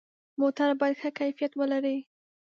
موټر باید ښه کیفیت ولري.